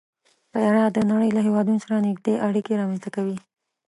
طیاره د نړۍ له هېوادونو سره نږدې اړیکې رامنځته کوي.